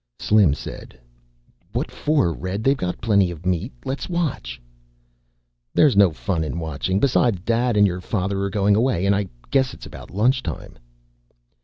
Slim said, "What for, Red? They've got plenty of meat. Let's watch." "There's no fun in watching. Besides Dad and your father are going away and I guess it's about lunch time."